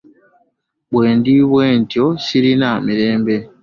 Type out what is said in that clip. Bwe ndi bw'entyo, sirina mirembe.